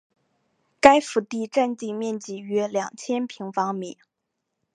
该府第占地面积约两千平方米。